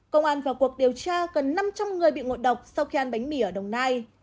công an vào cuộc điều tra gần năm trăm linh người bị ngộ độc sau khi ăn bánh mì ở đồng nai